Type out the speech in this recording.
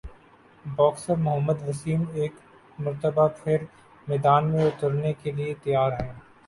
boxer Muhammad Waseem ایک مرتبہ پھر میدان میں اترنےکیلئے تیار ہیں